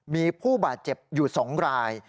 มีผู้บาดเจ็บอยู่๒ราย